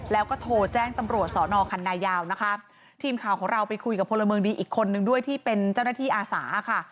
แล้วก็โทรแจ้งตำรวจสอนอคันนายาวนะคะทีมข่าวของเราไปคุยกับพลเมืองดีอีกคนนึงด้วยที่เป็นเจ้าหน้าที่อาสาค่ะ